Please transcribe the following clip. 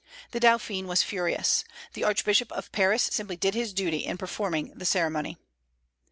The Dauphin was furious. The Archbishop of Paris simply did his duty in performing the ceremony.